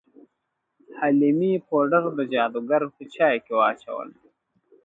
حلیمې پوډر د جادوګر په چای کې واچول.